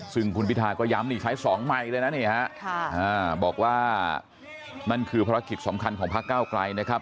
ซึ่งคุณพิทาก็ย้ำนี่ใช้๒ไมค์เลยนะนี่ฮะบอกว่านั่นคือภารกิจสำคัญของพักเก้าไกลนะครับ